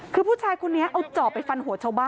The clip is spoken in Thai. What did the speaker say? คือผู้ชายคนนี้เอาจอบไปฟันหัวชาวบ้าน